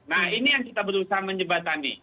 nah ini yang kita berusaha menjebatani